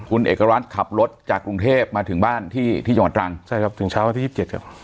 คุณเอกรัฐขับรถจากกรุงเทพมาถึงบ้านที่ที่จังหวัดตรังใช่ครับถึงเช้าวันที่ยี่สิบเจ็ดครับ